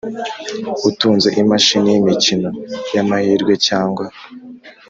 Utunze imashini y imikino y amahirwe cyangwa